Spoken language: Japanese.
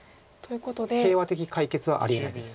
平和的解決はありえないです。